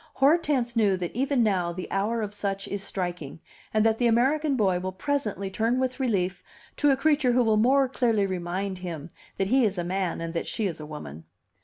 Hortense knew that even now the hour of such is striking, and that the American boy will presently turn with relief to a creature who will more clearly remind him that he is a man and that she is a woman.